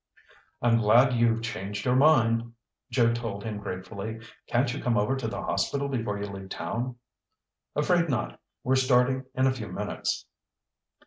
"I'm glad you've changed your mind," Joe told him gratefully. "Can't you come over to the hospital before you leave town?" "Afraid not. We're starting in a few minutes."